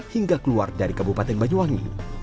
hingga keluar dari kabupaten banyuwangi